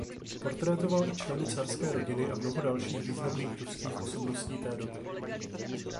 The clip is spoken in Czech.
Portrétoval i členy carské rodiny a mnoho dalších významných ruských osobností té doby.